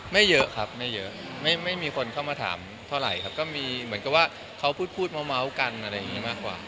ไม่เยอะครับไม่เยอะไม่มีคนเข้ามาถามเท่าไหร่ครับก็มีเหมือนกับว่าเขาพูดเมาส์กันอะไรอย่างนี้มากกว่า